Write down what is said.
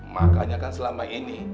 makanya kan selama ini